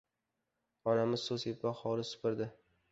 Onamiz suv sepa hovli supurdi.